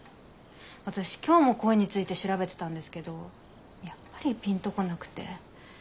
私今日も恋について調べてたんですけどやっぱりピンと来なくて。